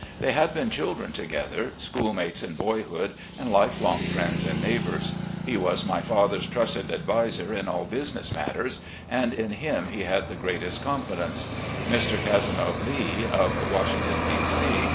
They had been children together, schoolmates in boyhood, and lifelong friends and neighbours. He was my father's trusted adviser in all business matters, and in him he had the greatest confidence. Mr. Cazenove Lee, of Washington, D. C.